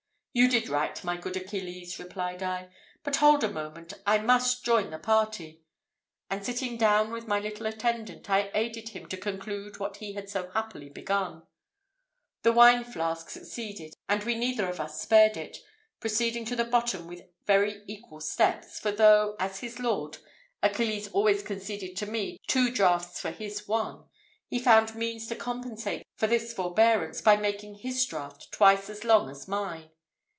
"You did right, my good Achilles," replied I; "but hold a moment, I must join the party;" and sitting down with my little attendant, I aided him to conclude what he had so happily begun. The wine flask succeeded, and we neither of us spared it, proceeding to the bottom with very equal steps, for though, as his lord, Achilles always conceded to me two draughts for his one, he found means to compensate for this forbearance, by making his draught twice as long as mine.